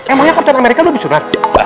emangnya kapten amerika lebih surat